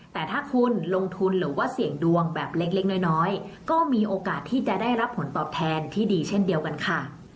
แต่ถ้าคุณลงทุนหรือว่าเสี่ยงดวงแบบเล็กน้อยก็มีโอกาสที่จะได้รับผลตอบแทนที่ดีเช่นเดียวกันค่ะ